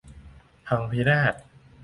พังพินาศ